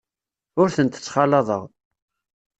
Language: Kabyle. Ur tent-ttxalaḍeɣ.